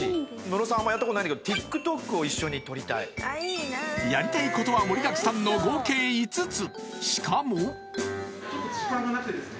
あんまやったことないんだけどＴｉｋＴｏｋを一緒に撮りたいやりたいことは盛りだくさんの合計５つ！